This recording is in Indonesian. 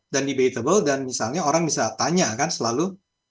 dan debatable dan misalnya orang bisa tanya kan selalu